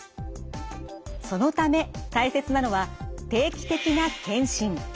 そのため大切なのは定期的な検診。